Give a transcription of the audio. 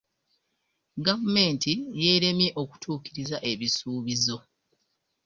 Gavumenti yeeremye okutuukiriza ekisuubizo.